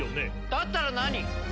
だったら何？